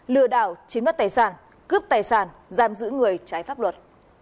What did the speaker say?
lừa đảo chiếm đoạt tài sản cướp tài sản giam giữ người trái pháp luật